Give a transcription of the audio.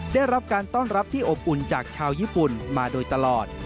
ได้รับการต้อนรับที่อบอุ่นจากชาวญี่ปุ่นมาโดยตลอด